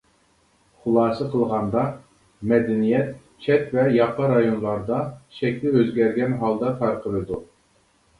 خۇلاسە قىلغاندا، مەدەنىيەت چەت ۋە ياقا رايونلاردا شەكلى ئۆزگەرگەن ھالدا تارقىلىدۇ.